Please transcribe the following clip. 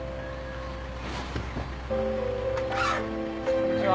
こんにちは。